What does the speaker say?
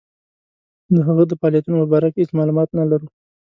د هغه د فعالیتونو په باره کې هیڅ معلومات نه لرو.